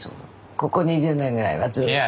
ここ２０年ぐらいはずっと。